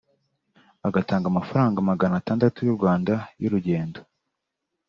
bagatanga amafaranga magana atandatu y’u Rwanda y’urugendo